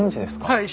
はい。